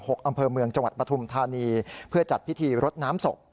อำเภอเมืองจังหวัดปฐุมธานีเพื่อจัดพิธีรดน้ำศพ